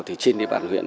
thì trên địa bàn huyện